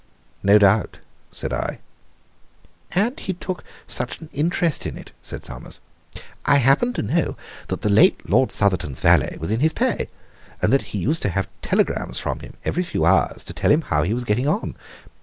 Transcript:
"No doubt," said I. "And he took such an interest in it," said Summers. "I happen to know that the late Lord Southerton's valet was in his pay, and that he used to have telegrams from him every few hours to tell him how he was getting on.